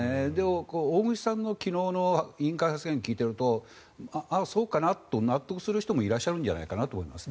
大串さんの昨日の委員会の発言を聞いているとそうかなと納得する人もいらっしゃるんじゃないかなと思います。